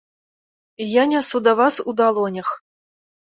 Я нясу да вас у далонях.